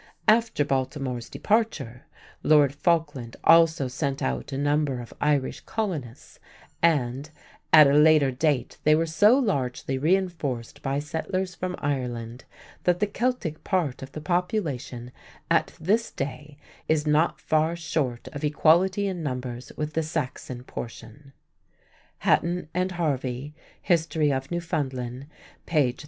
After Baltimore's departure, Lord Falkland also sent out a number of Irish colonists, and "at a later date they were so largely reinforced by settlers from Ireland that the Celtic part of the population at this day is not far short of equality in numbers with the Saxon portion" (Hatton and Harvey, History of Newfoundland, page 32).